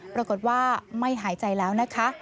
ปรากฏว่าไม่หายใจแล้วนะคะ